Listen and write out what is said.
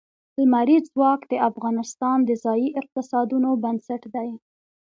لمریز ځواک د افغانستان د ځایي اقتصادونو بنسټ دی.